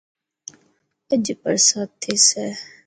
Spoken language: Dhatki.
اڄ برسات ٿيسي.